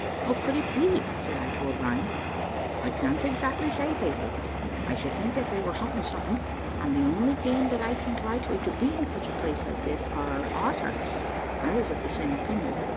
"What could it be?" said I to O'Brien. "I can't exactly say, Peter; but I should think that they were hunting something, and the only game that I think likely to be in such a place as this are otters." I was of the same opinion.